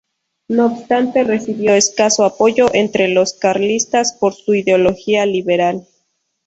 No obstante, recibió escaso apoyo entre los carlistas por su ideología liberal.